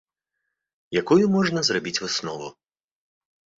Якую можна зрабіць выснову?